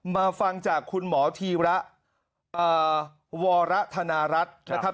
มาฟังจากคุณหมอธีระวรธนรัฐนะครับ